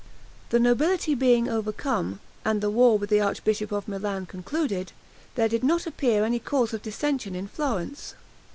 The nobility being overcome, and the war with the archbishop of Milan concluded, there did not appear any cause of dissension in Florence.